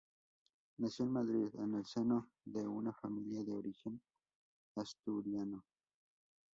Nació en Madrid, en el seno de una familia de origen asturiano.